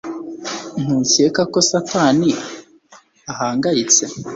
ntukeka ko satani ahangayitse